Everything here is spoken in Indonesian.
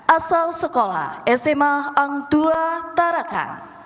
asal sekolah sma angtua taraka